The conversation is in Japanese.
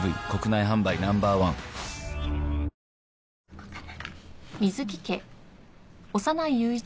こうかな。